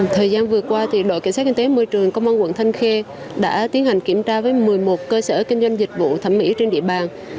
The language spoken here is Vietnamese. thời gian vừa qua đội cảnh sát kinh tế môi trường công an quận thanh khê đã tiến hành kiểm tra với một mươi một cơ sở kinh doanh dịch vụ thẩm mỹ trên địa bàn